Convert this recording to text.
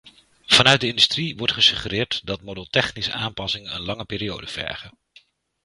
Vanuit de industrie wordt gesuggereerd dat modeltechnische aanpassingen een lange periode vergen.